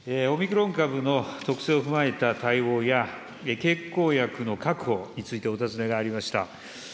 オミクロン株の特性を踏まえた対応や、経口薬の確保についてお尋ねがありました。